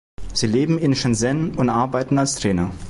Sie leben in Shenzhen und arbeiten als Trainer.